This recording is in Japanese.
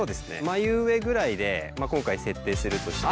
眉上ぐらいで今回設定するとして。